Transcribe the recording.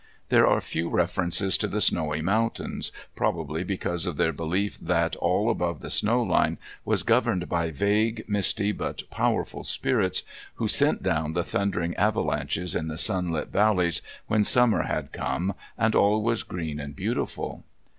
There are few references to the snowy mountains, probably because of their belief that all above the snowline was governed by vague, misty, but powerful spirits who sent down the thundering avalanches in the sunlit valleys when summer had come and all was green and beautiful.